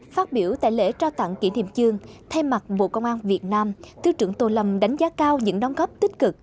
phát biểu tại lễ trao tặng kỷ niệm chương thay mặt bộ công an việt nam thứ trưởng tô lâm đánh giá cao những đóng góp tích cực